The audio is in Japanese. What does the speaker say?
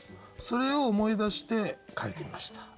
それを思い出して書いてみました。